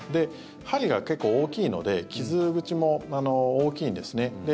針が結構大きいので傷口も大きいんですね。